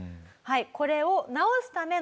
これを直すための対策